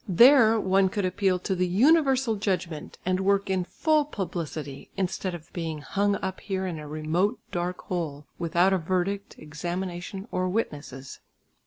There one could appeal to the universal judgment, and work in full publicity instead of being hung up here in a remote dark hole, without a verdict, examination, or witnesses.